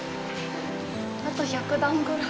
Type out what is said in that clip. あと１００段ぐらい？